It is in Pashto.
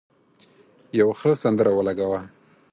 یو ښه سندره ولګوه.